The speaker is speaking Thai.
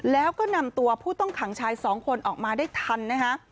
แล้วก็นำตัวผู้ต้องขังชายสองคนออกมาได้ทันนะฮะ